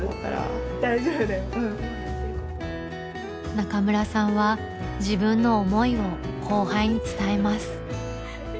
中村さんは自分の思いを後輩に伝えます。